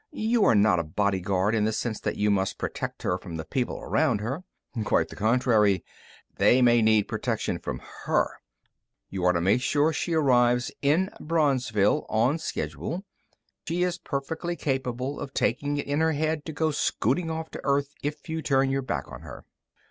You are not a bodyguard in the sense that you must protect her from the people around her. Quite the contrary, they may need protection from her. You are to make sure she arrives in Braunsville on schedule. She is perfectly capable of taking it in her head to go scooting off to Earth if you turn your back on her."